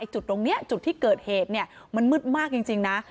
จุดตรงนี้จุดที่เกิดเหตุมันมืดมากจริงนะ